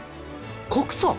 告訴？